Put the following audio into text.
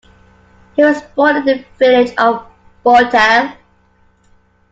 He was born in the village of Botale.